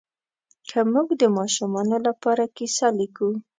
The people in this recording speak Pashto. که موږ د ماشومانو لپاره کیسه لیکو